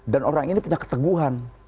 dan orang ini punya keteguhan